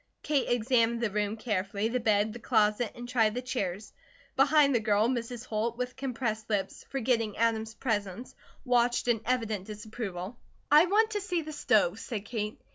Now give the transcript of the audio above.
Kate examined the room carefully, the bed, the closet, and tried the chairs. Behind the girl, Mrs. Holt, with compressed lips, forgetting Adam's presence, watched in evident disapproval. "I want to see the stove," said Kate.